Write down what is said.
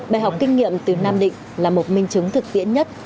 bài học kinh nghiệm từ nam định là một minh chứng thực tiễn nhất